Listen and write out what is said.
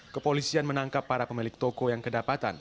kepolisian menangkap para pemilik toko yang kedapatan